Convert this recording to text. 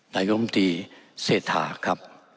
นายอมที่เศษฐาครับ